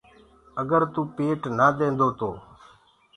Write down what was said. اگر توُ پيٽ نآ دينٚدو تو